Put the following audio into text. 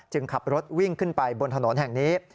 ขับรถวิ่งขึ้นไปบนถนนแห่งนี้